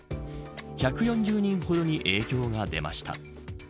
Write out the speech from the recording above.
１４０人ほどに影響が出ました。